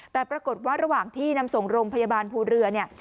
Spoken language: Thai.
แต่ปรากฏว่าระหว่างที่นำส่งโรงพยาบาลภูเรือเนี่ย